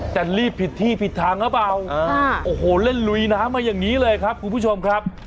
แต่รีบผิดที่ผิดทางหรือเปล่าโอ้โหเล่นลุยน้ำมาอย่างนี้เลยครับคุณผู้ชมครับ